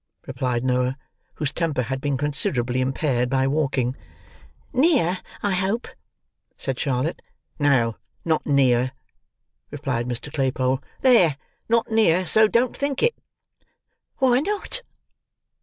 replied Noah, whose temper had been considerably impaired by walking. "Near, I hope," said Charlotte. "No, not near," replied Mr. Claypole. "There! Not near; so don't think it." "Why not?"